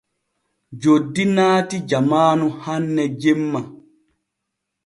Joddi naati jamaanu hanne jemma.